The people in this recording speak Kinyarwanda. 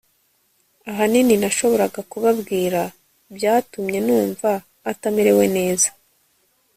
ahanini, nashoboraga kubabwira, byatumye numva atamerewe neza